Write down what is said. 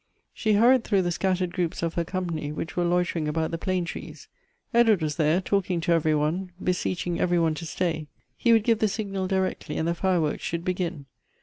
She hurried through the scattered groups of her company, which were loitering about the plane trees. Edward was there, talking to every one — beseeching every one to stay. He would give the signal directly, and the fireworks should begin.